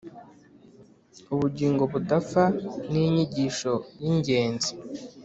ubugingo budapfa ni inyigisho y’ingenzi